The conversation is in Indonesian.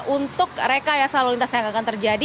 untuk rekaya salur lintas yang akan terjadi